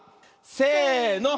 せの。